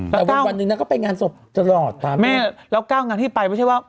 แต่วันหนึ่งนางก็ไปงานศพตลอดถามแม่แล้ว๙งานที่ไปไม่ใช่ว่า